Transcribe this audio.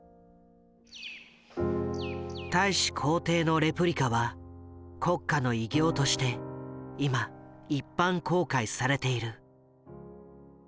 大使公邸のレプリカは国家の偉業として今一般公開されている。